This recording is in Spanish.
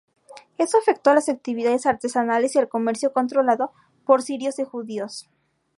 Esto afectó a las actividades artesanales y al comercio controlado por sirios y judíos.